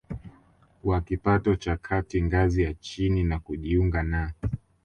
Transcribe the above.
wa kipato cha kati ngazi ya chini na kujiunga na